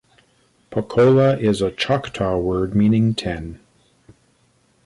"Pocola" is a Choctaw word meaning "ten.